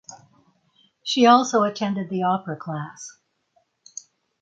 She also attended the opera class.